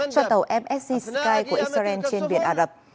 cho tàu msc sky của israel trên biển ả rập